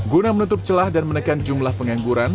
guna menutup celah dan menekan jumlah pengangguran